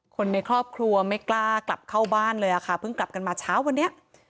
คนในครอบครัวไม่กล้ากลับเข้าบ้านเลยค่ะเพิ่งกลับกันมาเช้าวันนี้